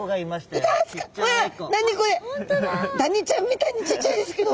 ダニちゃんみたいにちっちゃいですけど。